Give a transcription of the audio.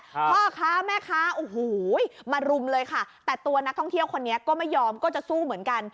พ่อค้าแม่ค้าโอ้โหมารุมเลยค่ะแต่ตัวนักท่องเที่ยวคนนี้ก็ไม่ยอมก็จะสู้เหมือนกัน